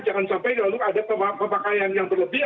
jangan sampai lalu ada pemakaian yang berlebih